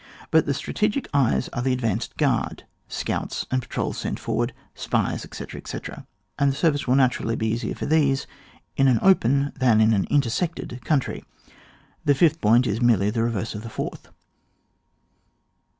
But the strategic eyes are the advanced guard, scouts and patrols sent forward, spies, etc., etc., and the service will naturally be easier for these in an open than in an intersected country. The fifth point is merely the reverse of the fourth.